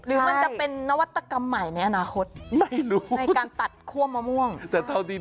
หรือมันจะเป็นนวัตกรรมใหม่ในอนาคตในการตัดคั่วมะม่วง